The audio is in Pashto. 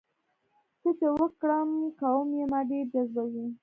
څه چې وکړم کوم یې ما ډېر جذبوي؟